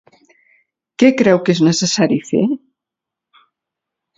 Què creu que és necessari fer?